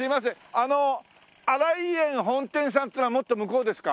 あの新井園本店さんっていうのはもっと向こうですか？